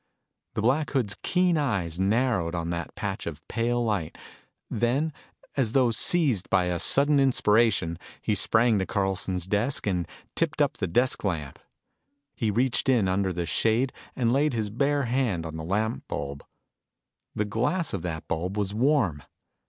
The Black Hood's keen eyes narrowed on that patch of pale light. Then, as though seized by a sudden inspiration, he sprang to Carlson's desk and tipped up the desk lamp. He reached in under the shade and laid his bare hand on the lamp bulb. The glass of that bulb was warm.